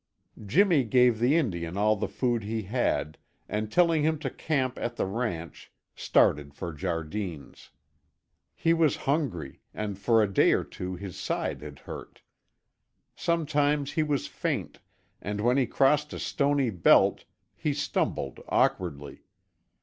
Jimmy gave the Indian all the food he had, and telling him to camp at the ranch, started for Jardine's. He was hungry and for a day or two his side had hurt. Sometimes he was faint, and when he crossed a stony belt he stumbled awkwardly.